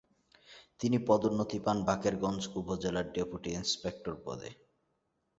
তিনি পদোন্নতি পান বাকেরগঞ্জ উপজেলার ডেপুটি ইন্সপেক্টর পদে।